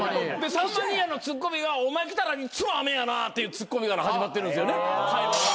さんま兄やんのツッコミがお前来たらいつも雨やなっていうツッコミから始まってるんですよね。